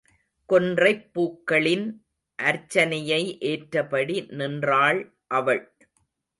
கொன்றைப் பூக்களின் அர்ச்சனையை ஏற்றபடி நின்றாள் அவள்.